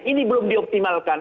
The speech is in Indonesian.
ini belum dioptimalkan